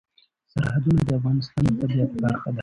سرحدونه د افغانستان د طبیعت برخه ده.